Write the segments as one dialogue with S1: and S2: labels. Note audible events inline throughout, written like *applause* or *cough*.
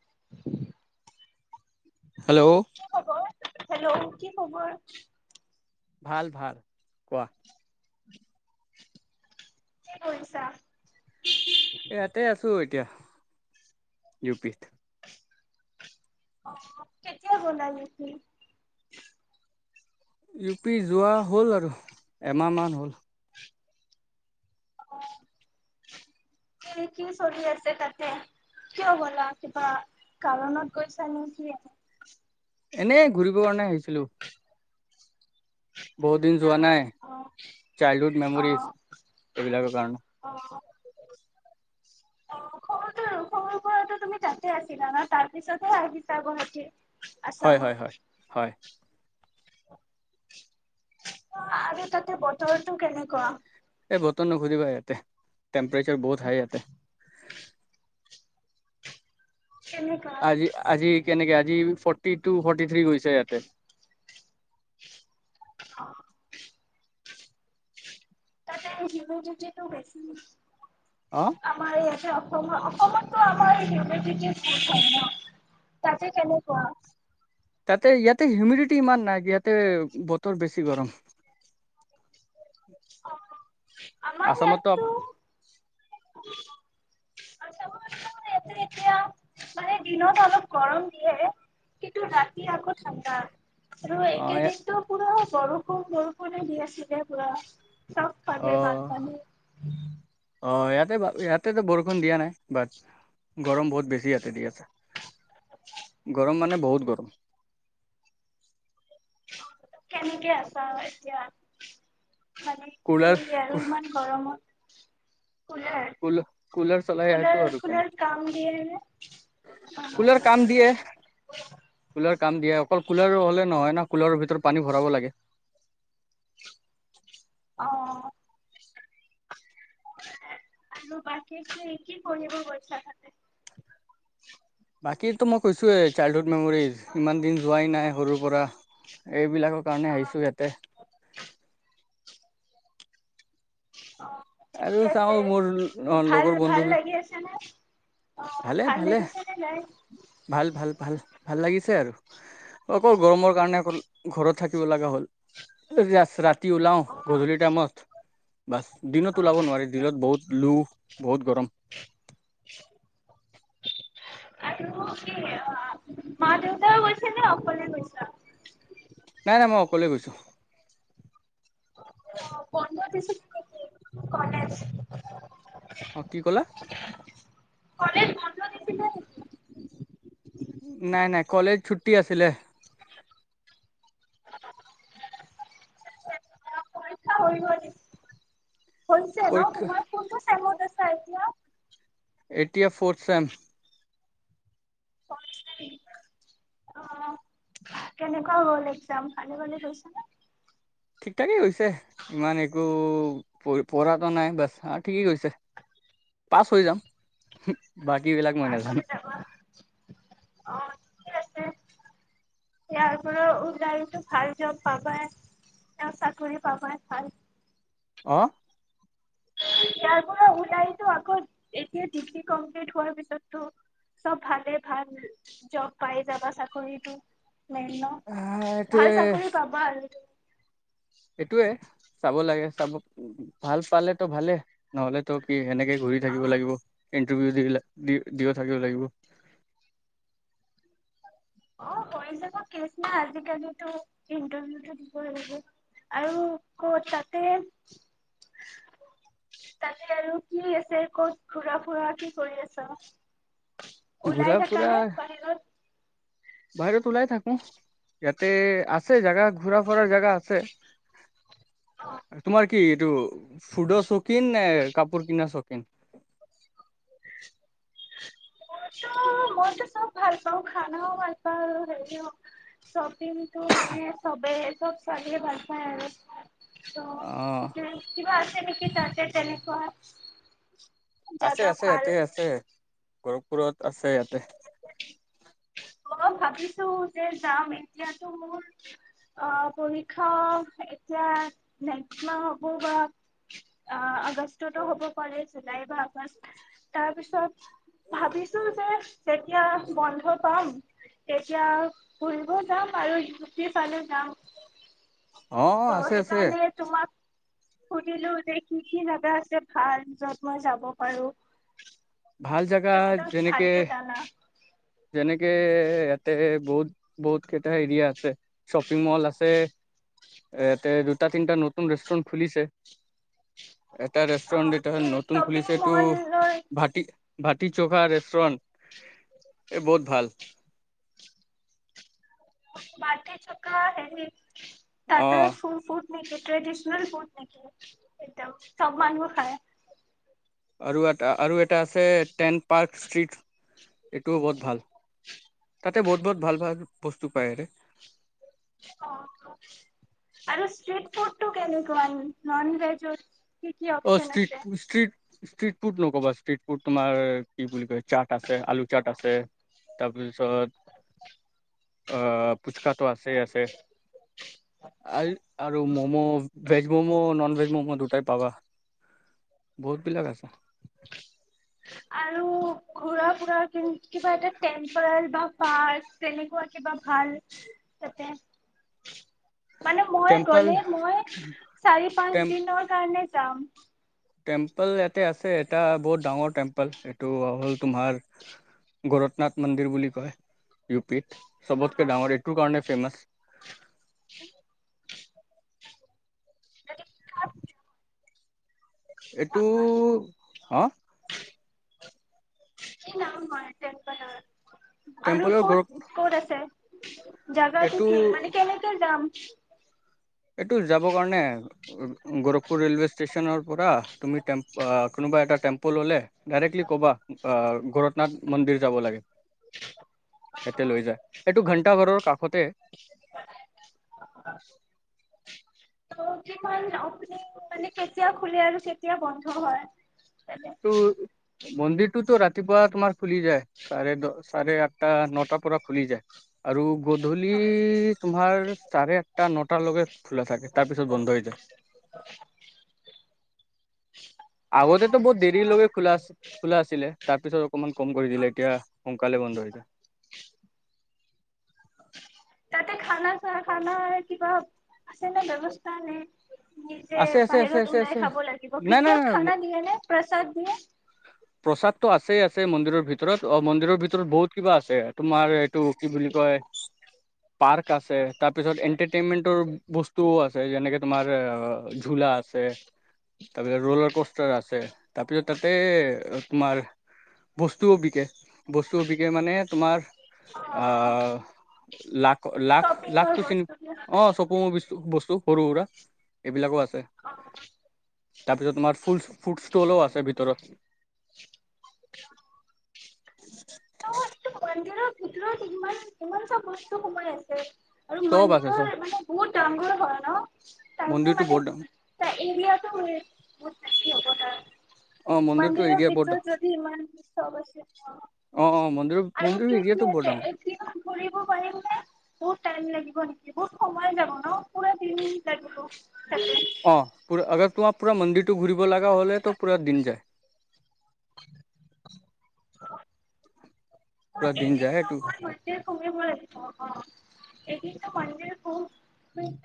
S1: *inaudible*
S2: Hello.
S1: কি খবৰ hello কি খবৰ
S2: ভাল, ভাল। *inaudible*
S1: কি কৈইছা?
S2: ইয়াতে আছোঁ, এতিয়া ইউ পিত।
S1: অ', কেতিয়া গ'লা আৰু তু
S2: ইউ পি যোৱা হ'ল আৰু এমাহমান হ'ল।
S1: অ', কি, কি চলি আছে তাতে? কিয় গ'লা, কিবা কাৰণত গৈছা নে কি?
S2: এনেই, ঘূৰিব কাৰণে আহিছিলোঁ। বহুত দিন
S1: আচ্ছা,
S2: যোৱা নাই,
S1: অ অ
S2: চাইল্ডহুড মেমৰিজ
S1: অ।
S2: এইবিলাকৰ কাৰণে।
S1: অ, সৰুটো, সৰু পৰাটো তুমি তাতে আছিলা ন, তাৰ পিছতহে আহিছা গুৱাহাটী?
S2: হয়,
S1: আছামত
S2: হয়, হয়।
S1: আৰু তাতে বতৰটো কেনেকুৱা?
S2: বতৰ নুখুধিবা ইয়াতে। টেম্প্ৰেচাৰ বহুত হাই ইয়াতে।
S1: কেনেকুৱা?
S2: আজি, আজি। কেনেকে আজি ফৰ্টি টু, ফৰ্টি থ্ৰী গৈছে ইয়াতে।
S1: অ'। ততে হিউমিডিটিটো বেছি।
S2: অ
S1: আমাৰ ইয়াতে অ অসম-অসমতটো আমাৰ হিউমিডিটি *unintelligible* হয় ন, তাতে কেনেকুৱা?
S2: তাতে-ইয়াতে হিউমিডিটি ইমান নাই, ইয়াতে বতৰ বেছি গৰম।
S1: অ', আমাৰ
S2: আছামতো
S1: ইয়াততো আচামৰ ইয়াতে এতিয়া, মানে দিনত অলপ গৰম দিয়ে, কিন্তু ৰাতি আকৌ ঠাণ্ডা। ৰু
S2: অ
S1: একেদিনটো পু় বৰষুণ, বৰষুণে দি আছিলে পুৰা। চব
S2: অ
S1: ফালে বানপানী।
S2: ই-ইয়াতেটো বৰষুণ দিয়া নাই, বাট, গৰম বহুত বেছি ইয়াতে দি আছে। গৰম মানে বহুত গৰম।
S1: কেনেকে আছা আৰু এতিয়া? মান
S2: কুলাৰ
S1: কি আৰু ইমান গৰমত কুলাৰ?
S2: কুল কুলাৰ চলাই আছো
S1: কুলাৰ,
S2: আৰু কেনে
S1: কুলাৰ কাম দিয়ে নে?
S2: কুলাৰ কাম দিয়ে কুলাৰ কাম দিয়ে। অকল কুলাৰ হ'লে নহয় ন, কুলাৰৰ ভিতৰত পানী ভৰাব লাগে।
S1: অ'। আৰু বাকী কি, কি পঢ়িব গৈছা তাতে?
S2: বাকীটো মই কৈছোয়ে চাইল্ডহুদ মেম'ৰিজ ইমান দিন যোৱাই নাই সৰুৰ পৰা। এইবিলাকৰ কাৰণে আহিছোঁ ইয়াতে।
S1: অহ
S2: আৰু
S1: ঠিকে
S2: চাও
S1: আছে
S2: মোৰ
S1: ভাল
S2: লগৰ বন্ধু
S1: ভাল লাগি আছেনে?
S2: ভালে ভালে ভাল ভাল ভাল ভাল লাগিছে আৰু অকল গৰমৰ কাৰণে অকল ঘৰত থাকিব লগা হ'ল ৰা ৰাতি ওলাওঁ
S1: অ
S2: গধূলি টাইমত বাছ
S1: অ
S2: দিনতো ওলাব নোৱাৰি দিনত বহুত লো বহুত গৰম
S1: আৰু কি মা -দেউতাই গৈছে নে অকলে গৈছা?
S2: নাই নাই মই অকলে গৈছো।
S1: অহ বন্ধ পিছত কি কি কলেজ?
S2: অহ কি কলা?
S1: কলেজ বন্ধ দিছিলে নেকি?
S2: নাই নাই কলেজ ছুটি আছিলে।
S1: পৰীক্ষা হৈ গ'ল? হৈছে নহ।
S2: পৰীক্ষা
S1: তোমাৰ কোনটো চেমত আছিলে *unintelligible* এতিয়া
S2: এতিয়া ফৰ্থ চেম।
S1: ফম্ম অহ কেনেকুৱা হল একজাম ভালে ভালে গৈছেনে?
S2: ঠিক ঠাকেই হৈছে ইমান একো পঢ়টো নাই বাচ্ ঠিকেই কৈছে পাছ হৈ যাম বাকীবিলাক মই
S1: পাছত
S2: নাজানো
S1: যাবা অ আছে ইয়াৰ পৰা ওলাইটো ভাল জব পাবাই, উলাই চাকৰি পাবাই ভাল
S2: অহ
S1: তাৰ পৰা ওলাইতো আকৌ এতিয়া ডিগ্ৰী কমপ্লিট হোৱাৰ পিছতটো চব ভালে ভাল জব পাই যাবা চাকৰিতটো নেই ন ভাল চাকৰি পাবা আৰু
S2: এইটোৱে চাব লাগে চাব ভাল পালে তো ভালে নহলে তো কি সেনেকে ঘূৰি থাকিব লাগিব
S1: অ
S2: কিন্ত ভি *unintelligible* দ থাকিব লাগিবৈ
S1: অহ কৰি যাব কেচ নাই, আজিকালিটো ইণ্টাৰভিউটো দিব লাগিব আৰু কত তাতে তাতে আৰু কি আছে কত ঘুৰা ফুৰা কি কৰি আছ
S2: ঘূৰা
S1: ওলাই থকা
S2: ফুৰা
S1: নে বাহিৰত
S2: বাহিৰত ওলাই থাক ইয়াতে আছে জাগা ঘুৰা ফুৰাৰ জাগা আছে,
S1: অ',
S2: তোমাৰ কি এইটো ফুড শকিন নে কাপোৰ কিনাৰ শকিন
S1: মইতো চব ভাল পাওঁ খানাও ভাল পাওঁ হেৰি শ্বপিং মানে চবেই চব ছোৱালীয়ে ভাল পায় আৰু
S2: অ
S1: ত'অ তঅ, কিবা আছে নেকি তাতে তেনেকুৱা *unintelligible*
S2: আছে আছে
S1: ভাল?
S2: ইয়াতে আছে কৰক পুৰত আছে ইয়াতে
S1: মই ভাবিছো যে যাম এতিয়াতো মোৰ আহ পৰীক্ষা এতিয়া নেক্স মাহ হ'ব বা অ', আগষ্টতো হ'ব পাৰে, জুলাই বা আগষ্ট তাৰপিছত ভাবিছো যে তেতিয়া বন্ধত কম। তেতিয়া ফুৰিব যাম আৰু ইউ পি ফালে যাম।
S2: অহ,
S1: ত'
S2: আছে, আছে।
S1: সেইকাৰণে তোমাক সুধিলো যে কি কি জাগা আছে ভাল? য'ত মই যাব পাৰো।
S2: ভাল জেগা
S1: তুমিতো
S2: যেনেকে
S1: ভালকে জানা
S2: যেনেকে ইয়াতে বহুত বহুত কেইটা এৰিয়া আছে, শ্বপিং মল আছে ইয়াতে দুটা তিনটা নতুন ৰেষ্টুৰেন্ট খুলিছে। এটা ৰেষ্টুৰেণ্ট
S1: অ
S2: এটা নতুন
S1: শ্বপিং
S2: খুলিছে এইটো
S1: মললৈ
S2: *unintelligible* ভাটি চোখা ৰেষ্টুৰেণ এই বহুত ভাল।
S1: মাটি চকা হেৰি
S2: অ
S1: তাতে ফু ফুত *unintelligible* ট্ৰেডিচনেল ফুড নেকি? একদম চব মানুহ খায়।
S2: আৰু এটা আৰু এটা আছে টেন পাৰ্ক ষ্ট্ৰীট এইটোও বহুত ভাল।
S1: *inaudible*
S2: তাতে বহুত বহুত ভাল ভাল বস্তু পায়
S1: অ', আৰু ষ্ট্ৰীট ফুডটো কেনেকুৱা? নন ভেজৰ কি
S2: অ',
S1: অপচন
S2: ষ্ট্ৰীট
S1: আছে?
S2: ষ্ট্ৰীট ষ্ট্ৰিট ফুড নক'বা ষ্ট্ৰিট ফুড তোমাৰ কি বুলি কয় চাট আছে, আলু চাট আছে তাৰপিছত অ ফুচকাটো আছে আছে আৰু আৰু momo veg momo, non veg momo দুটাই পাবা। বহুত বিলাক আছে।
S1: আৰু ঘুৰা ফুৰা কিবা এটা টেম্পল বা পাৰ্ক তেনেকুৱা কিবা ভাল তাতে মানে মই
S2: টেম্পল
S1: গলে মই চাৰি, পাঁচ
S2: টেম
S1: দিনৰ কাৰণে যাম।
S2: টেম্পল এট ইয়াতে আছে এটা বহুত ডাঙৰ টেম্পল টো হ'ল তোমাৰ গৰতনাথ মন্দিৰ বুলি কয় ইউ পিত। চবতকে
S1: অ
S2: ডাঙৰ এইটোৰ কাৰণে ফেমাচ।
S1: *unintelligible*
S2: এইটো হা
S1: *unintelligible* টেম্পলৰ আৰু
S2: টেম্পলৰ গৰ
S1: ক'ত ক'ত আছে? জাগাটো কি
S2: এইটো
S1: মানে? কেনেক যাম?
S2: এইটো যাবৰ কাৰণে গোৰখপুৰ ৰেলৱে ষ্টেচনৰ পৰা তুমিট কোনোবা এটা টেম্প' ল'লে ডাইৰেক্টলি ক'বা ভৰতনাথ মন্দিৰ যাব লাগে। এতে লৈ যায় এইটো ঘন্টা ঘৰৰ কাষতে
S1: ত কিমান অপনি মানে কেতিয়া খুলি আৰু কেতিয়া বন্ধ হয় তাতে
S2: উম মন্দিৰটোতো ৰাতিপুৱা তোমাৰ খুলি যায় চাৰে দ চাৰে আঠ আাতটা নটাৰ পৰা খুলি যায় আৰু গধূলি তোমাৰ চাৰে আঠটা নটালৈকে খোলা থাকে তাৰপিছত বন্ধ হৈ যায়। আগতেতো বহুত দেৰি
S1: আচ্ছা
S2: লগে খোলা আ খোলা আছিলে তাৰপিছত অকমান কম কৰি দিলে এতিয়া কাললৈ বন্ধ হৈতি
S1: তাতে খানা চা খানা কিবা আছে নে ব্যৱস্থা নে নি যেে
S2: আছে আছে আছে
S1: বাহিৰত
S2: আছে আছে
S1: ওলাই খাব লাগিব
S2: নাই নাই
S1: ভিতৰত
S2: নাই
S1: খানা দিয়ে নে প্ৰসাদ দিয়ে
S2: প্ৰসাদতটো আছেই আছে মন্দিৰৰ ভিতৰত অ মন্দিৰৰ ভিতৰত বহুত কিবা আছে তোমাৰ এইটো কি বুলি কয় পাৰ্ক আছে তাৰপিছত এন্টাৰটেইনমেন্টৰ বস্তুও আছে ছ যেনেকৈ তোমাৰ ঝুুলা ছে তাৰপিছত ৰলাৰ কষ্টাৰ আছে তাৰপিছত তাতে তোমাৰ বস্তুও বিকে বস্তুও বিকে মানে তোমাৰ
S1: অ অ
S2: আহ লাখ লাখ লাখটোো চিন
S1: বিলাক
S2: অ চকু বস্তু সৰু সুৰা এইবিলাকো আছে
S1: অ
S2: তাৰপিছত তোমাৰ ফুল ফুড ষ্টলও আছে ভিতৰত
S1: ত এইটো মন্দিৰ সতৰত ইমান ইমান চব বস্তু সোমাই আছে আৰু
S2: চব আছে চব
S1: মন্দিৰৰ মানে বহুত তংগুৰ ঘৰ ন তাৰ
S2: মন্দিৰটো
S1: মানে
S2: বহুত ডাঙৰ
S1: তাৰ এৰিয়াাতটো বহুত নছিল
S2: অ মন্দিৰটো
S1: মন্দিৰৰ
S2: এৰিয়া বহুত ডাঙৰ
S1: ভিতৰত যদি ইমান অৱশ্য
S2: অ অ মন্দিৰ
S1: আৰু
S2: মন্দিৰ
S1: কি কি
S2: এৰিয়াটো বৰ
S1: আ
S2: ডাঙৰ
S1: এতি ঘুৰিব পাৰিম নে বহুত াই লাগিব নেকি বহুত সময় যাব ন পুৰা দিন লাগিব
S2: অ পু আগ তোমাৰ পুৰা মন্দিৰটো ঘুৰিব লগা হলে তো পুৰা দিন যায় পুৰা দিন
S1: এনে
S2: যায়
S1: ম
S2: এইটো
S1: কমিব লাগছ অ এদিনতো মডিৰ প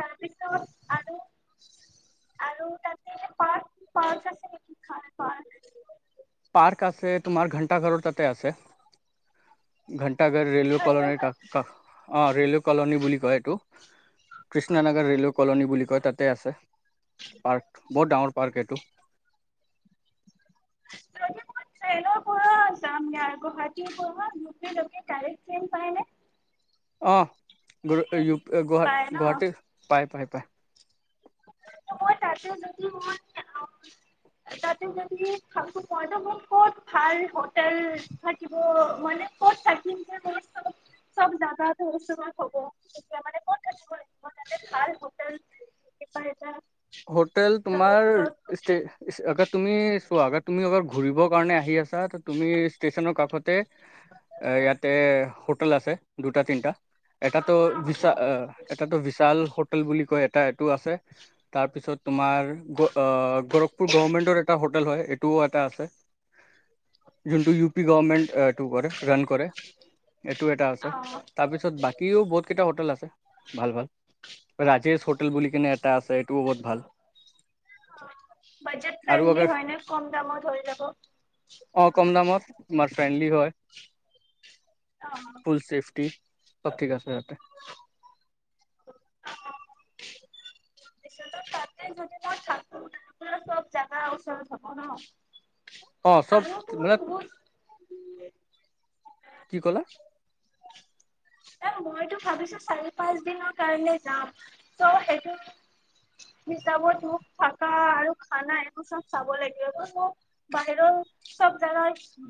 S1: তাৰপিছত আৰু আৰু ততে পাৰ্ক পাৰ্ক আছে নেকি খ প্ক
S2: পাৰ্ক আছে তোমাৰ ঘন্টা ঘৰৰ তাতে আছে ঘ াগাৰ ৰেেলৱে কলনীৰ অ ৰেলৱে কলনী বুলি কয় এইটো কৃষ্ণ নগৰ ৰেলৱে কলনী বুলি কয় তাতে আছে পাৰ্ক বহুত ডাঙৰ পাৰ্ক এইটো
S1: যদি মই ট্ৰেইনৰ পৰা যাম নে গুৱাহাটীৰ পৰাে কাইৰে্ট ট্ৰেইন পাই ন
S2: অ গ গুৱাহাট
S1: পায় ন
S2: গুৱাহাটী পায় পায় পায়
S1: মই তাতে যদি মই তাতে যদি খো মইতো মোৰ কত ভাল হোটেল থাকিব মানে কত থাকিম যে মোৰ চব চব জাগাছ মই কব তেতিয়া মানে ক'ত থাকিব লাগিব মই তাতে ভাল হোটেল প
S2: হোটেল তোমাৰ ষ্টে আগাৰ তুমি চোৱা আগাৰ তুমি অ ঘূৰিবৰ কাৰণে আহি আছা ত তুমি ষ্টেচনৰ কাষত ইয়াতে হোটেল আছে দুটা তিনিটা এটাতো বিশাল এটাতো বিশাল হোটেল বুলি কয় এটা টো আছে তাৰ পিছত তোমাৰ গৰখপুৰ গমেন্টৰ এটা হোটেল হয় টো এটা আছে যোনটো ইউ পি গভমেণ্ট এইটো কৰে ৰাণ কৰে এইটো এটা আছে
S1: আহ
S2: তাৰপিছত বাকীও বহুত কেইটা হোটেল আছে ভাল ভাল ৰাজেশ হোটেল বুলি কিনে এটা আছে এইটোও বহুত ভাল
S1: বজেট
S2: আৰু
S1: ফ্ৰেণ্ডলি
S2: আগাৰ
S1: হয় নে কম দাম ধৈ যাব
S2: আমাৰ ফ্ৰেণ্ডলি হয়
S1: আহ
S2: ফুল চেফটি সব ঠিক আছে যতে
S1: পিছত যদি ত চাত চব জাগা ওচল থব ন
S2: অ চব
S1: আৰু তোমাৰ
S2: মানে
S1: বহুত
S2: কি কলা
S1: এ মইতো ভাবিছো চাৰি পাঁচ দিনৰ কাৰণে যাম ত' সেইটো হিচাব তোক থকা আৰু খানা একবো চব চাব লাগিব ম বাহিৰৰ চব জাগা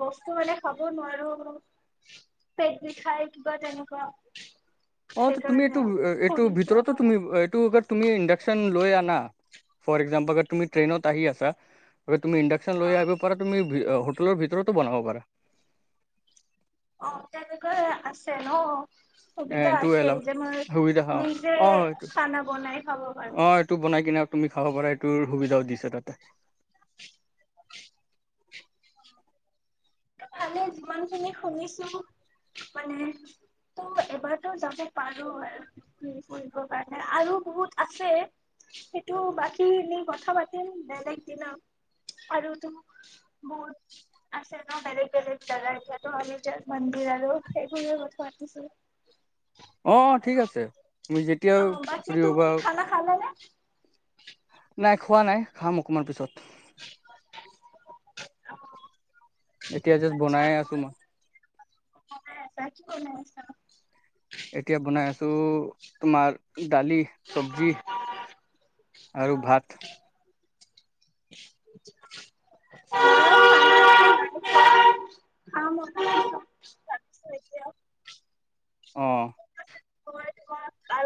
S1: বস্তু মানে খাব নোৱাৰো পেট বিষাই কিবা তেনেকুৱা ক
S2: অ তুমি এইটো এইটো ভিতৰতো
S1: অ
S2: তুমি এইটো তুমি ইণ্ডাকশচন লৈ আনা ফ'ৰ এ এক্সাম্পল আগ তুমি ্ৰেইনত আহি আছ তুমি ইণ্ডাকশ্যন
S1: অ
S2: লৈ আহিব পা তুমি ভিতৰতো বনাব পাৰা।
S1: অ', তেনেকৈ আছে ন?
S2: এ
S1: সুবিধা
S2: এইটো
S1: আছে
S2: এলাও
S1: যে, মই
S2: সুবিধা অ
S1: মই যে,
S2: অ এইটো
S1: খানা বনাই খাব পাৰো।
S2: অ এইটো বনাই কিনে তুমি খাব পাৰাটোৰ সুবিধাও দিছা তাতে।
S1: কালি যিমান খিনি শুনিছো মানে তোৰ এবাৰতো যাব পাৰো আৰু ফুৰিব কাৰণে আৰু বহুত আছে সেইটো বাকী নি কথা পাতিম বেলেগ দিনা আৰু তো বহুত আছে বেলেগ বেলেগ জাগা এতিয়াটো মন্দিৰ আৰু সেইবোৰে কথা পাতিছো।
S2: অ', ঠিক আছে মি যেতিয়া
S1: অ বাকী
S2: ফ্ৰি হ'বা।
S1: তুমি খানা খালা নে
S2: নাই খোৱা নাই খাম অকণমান পিছত।
S1: *unintelligible*
S2: এতিয়া য'ত
S1: আচ্ছা
S2: বনাইে আছো মই।
S1: বনাই আছা কি বনাই আছা
S2: এতিয়া বনাই আছো তোমাৰ দালি, চব্জি আৰু ভাত।
S1: নাই।
S2: অহ।
S1: হয় আৰু